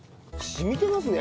染みてますね